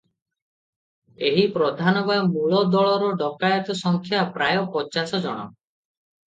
ଏହି ପ୍ରଧାନ ବା ମୂଳ ଦଳର ଡକାଏତ ସଂଖ୍ୟା ପ୍ରାୟ ପଞ୍ଚାଶ ଜଣ ।